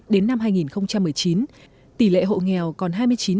đến năm hai nghìn một mươi chín tỷ lệ hộ nghèo còn hai mươi chín hai mươi hai